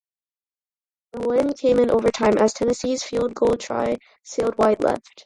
The win came in overtime as Tennessee's field goal try sailed wide left.